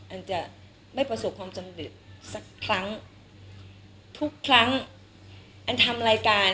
อันจะไม่ประสบความสำเร็จสักครั้งทุกครั้งอันทำรายการ